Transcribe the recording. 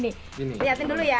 liatin dulu ya